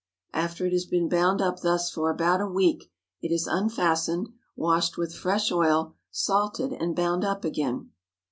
After it has been bound up thus for about a week, it is unfastened, washed with fresh oil, salted, and bound up again.